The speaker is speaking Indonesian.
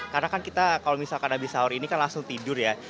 karena kan kita kalau misalkan habis sahur ini kan langsung tidur ya